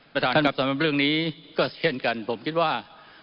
ท่านครับสำหรับเรื่องนี้ก็เช่นกันผมคิดว่า